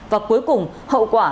và cuối cùng hậu quả